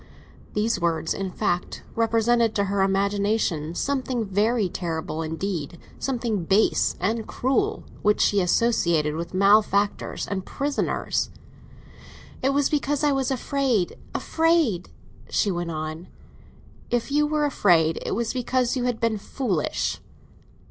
These words, in fact, represented to her imagination something very terrible indeed, something base and cruel, which she associated with malefactors and prisoners. "It was because I was afraid—afraid—" she went on. "If you were afraid, it was because you had been foolish!"